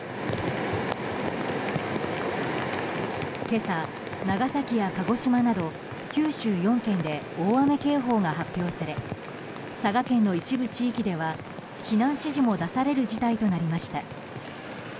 今朝、長崎や鹿児島など九州４県で大雨警報が発表され佐賀県の一部地域では避難指示も出される事態となりました。